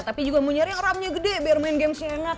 tapi juga mau nyari yang ramnya gede biar main games nya enak